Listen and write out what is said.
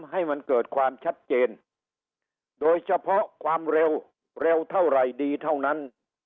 ให้มันเกิดความชัดเจนโดยเฉพาะความเร็วเร็วเท่าไหร่ดีเท่านั้น